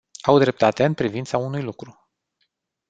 Au dreptate în privința unui lucru.